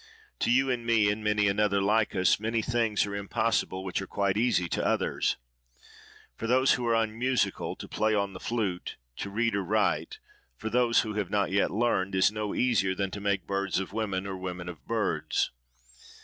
To you and me, and many another like us, many things are impossible which are quite easy to others. For those who are unmusical, to play on the flute; to read or write, for those who have not yet learned; is no easier than to make birds of women, or women of birds.